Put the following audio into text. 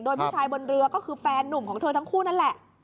โดยผู้ชายบนเรือก็คือแฟนนุ่มของเธอทั้งคู่นั่นแหละ